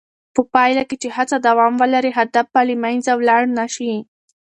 په پایله کې چې هڅه دوام ولري، هدف به له منځه ولاړ نه شي.